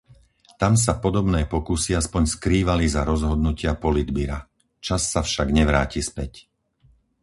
Tam sa podobné pokusy aspoň skrývali za rozhodnutia politbyra. Čas sa však nevráti späť.